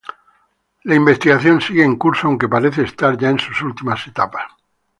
La investigación sigue en curso, aunque parece estar ya en sus últimas etapas.